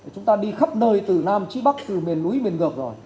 chúng ta đi khắp nơi từ nam phía bắc từ miền núi miền ngược rồi